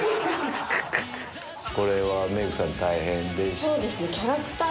これはメイクさん大変でした？